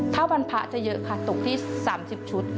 ถ้าวันพระจะเยอะค่ะตกที่๓๐ชุด